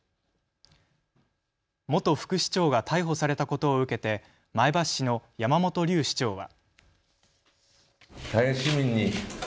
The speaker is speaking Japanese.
元副市長が逮捕されたことを受けて前橋市の山本龍市長は。